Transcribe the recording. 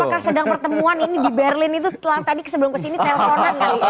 apakah sedang pertemuan ini di berlin itu tadi sebelum kesini telponan kali